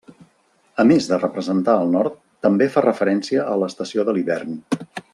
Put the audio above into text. A més de representar el nord també fa referència a l'estació de l'hivern.